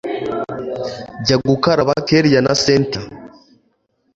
njya gukarabakellia na cyntia